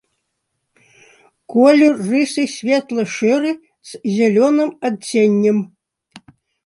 Колер рысы светла-шэры з зялёным адценнем.